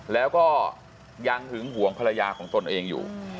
แล้วก็ยังหึงห่วงภรรยาของตนเองอยู่